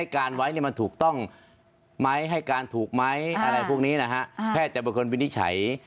ครับตอนนี้นะฮะแพทย์จำนวคลวินิจฉัย